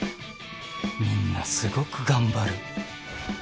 みんなすごく頑張る